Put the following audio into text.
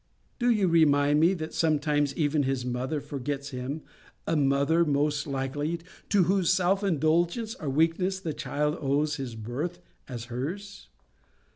Do you remind me that sometimes even his mother forgets him—a mother, most likely, to whose self indulgence or weakness the child owes his birth as hers?